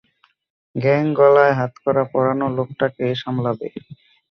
Gang গলায় হাতকড়া পরানো লোকটাকে সামলাবে।